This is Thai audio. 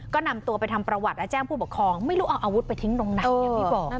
ก็นำตัวไปทำประวัติและแจ้งผู้ปกครองไม่รู้เอาอาวุธไปทิ้งตรงไหนอย่างที่บอก